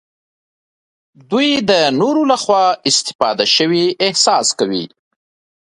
دوی د نورو لخوا سوء استفاده شوي احساس کوي.